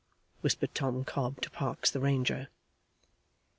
whispered Tom Cobb to Parkes the ranger.